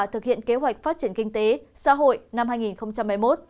thực hiện kế hoạch phát triển kinh tế xã hội năm hai nghìn hai mươi một